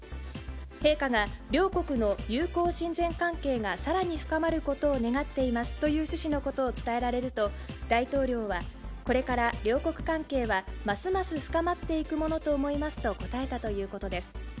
陛下が、両国の友好親善関係がさらに深まることを願っていますという趣旨のことを伝えられると、大統領は、これから両国関係はますます深まっていくものと思いますと応えたということです。